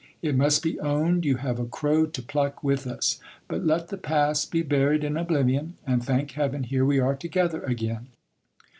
It must be owned you have a crow to pluck with us ; but let the past be buried in oblivion, and thank heaven, here we are together again.